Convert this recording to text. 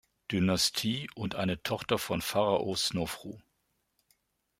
Dynastie und eine Tochter von Pharao Snofru.